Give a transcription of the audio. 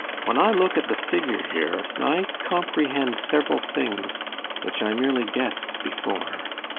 When I look at the figure here I comprehend several things which I merely guessed before.